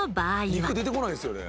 肉出てこないですよね。